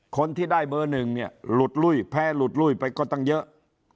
คนที่ได้เบอร์หนึ่งเนี่ยหลุดลุ้ยแพ้หลุดลุ้ยไปก็ตั้งเยอะ